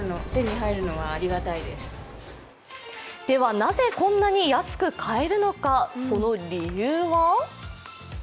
ではなぜ、こんなに安く買えるのか、その理由は？